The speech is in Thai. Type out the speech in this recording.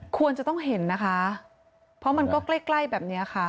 ควรจะต้องเห็นนะคะเพราะมันก็ใกล้ใกล้แบบนี้ค่ะ